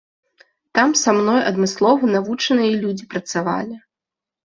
Там са мной адмыслова навучаныя людзі працавалі.